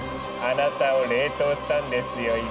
あなたを冷凍したんですよ